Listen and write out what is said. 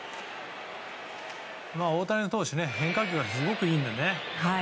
大谷投手、変化球がすごくいいんでね。